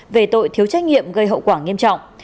về tội thiếu trách nhiệm gây hậu quả nghiêm trọng